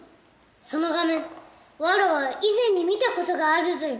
その画面わらわ以前に見た事があるぞよ！